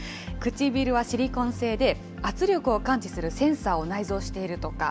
唇はシリコン製で、圧力を感知するセンサーを内蔵しているとか。